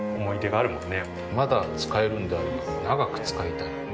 まだ使えるんであれば長く使いたい。